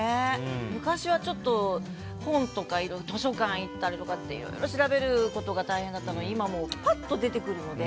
昔はちょっと本とか図書館行ったりとかいろいろ調べることが大変だったのに今はパッと出てくるので。